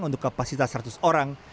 untuk kapasitas seratus orang